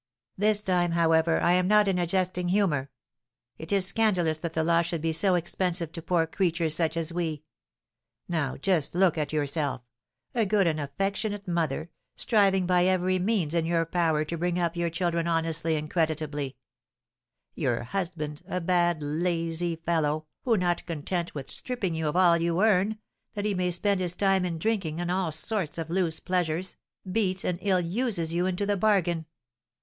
"This time, however, I am not in a jesting humour. It is scandalous that the law should be so expensive to poor creatures such as we. Now, just look at yourself, a good and affectionate mother, striving by every means in your power to bring up your children honestly and creditably; your husband, a bad, lazy fellow, who, not content with stripping you of all you earn, that he may spend his time in drinking and all sorts of loose pleasures, beats and ill uses you into the bargain.